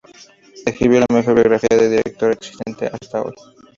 Escribió la mejor biografía de Diderot existente hasta hoy.